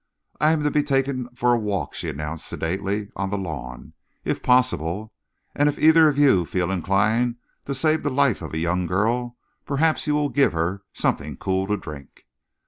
"I am to be taken for a walk," she announced sedately, "on the lawn, if possible. And if either of you feel inclined to save the life of a young girl, perhaps you will give her something cool to drink."